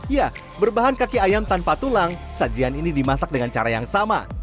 ya berbahan kaki ayam tanpa tulang sajian ini dimasak dengan cara yang sama